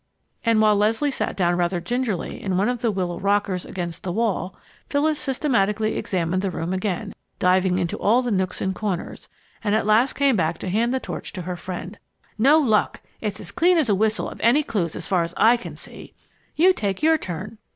And while Leslie sat down rather gingerly in one of the willow rockers against the wall, Phyllis systematically examined the room again, diving into all the nooks and corners, and at last came back to hand the torch to her friend. "No luck! It's as clean as a whistle of any clues, as far as I can see. You take your turn."